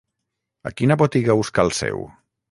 A quina botiga us calceu?